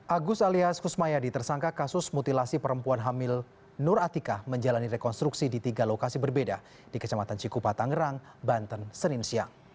agus alias kusmayadi tersangka kasus mutilasi perempuan hamil nur atika menjalani rekonstruksi di tiga lokasi berbeda di kecamatan cikupa tangerang banten senin siang